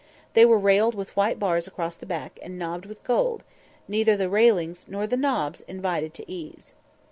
They were railed with white bars across the back and knobbed with gold; neither the railings nor the knobs invited to ease.